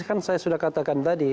kan saya sudah katakan tadi